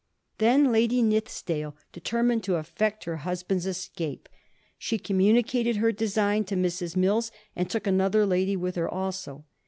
Then Lady Nithisdale determined to effect her husband's escape. She communicated her design to a Mrs. Mills, and took another lady with her also.